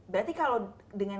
berarti kalau dengan